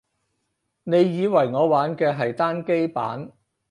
你以為我玩嘅係單機版